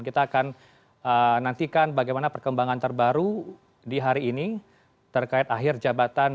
kita akan nantikan bagaimana perkembangan terbaru di hari ini terkait akhir jabatan